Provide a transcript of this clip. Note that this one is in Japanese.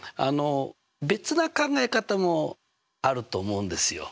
別な考え方もあると思うんですよ。